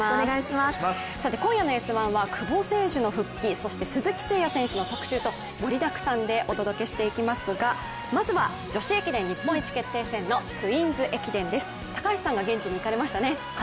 今夜の「Ｓ☆１」は久保選手の復帰、そして鈴木誠也選手の特集と盛りだくさんでお伝えしていきますがまずは女子駅伝日本一決定戦のクイーンズ駅伝です、高橋さんが現地に行かれましたね。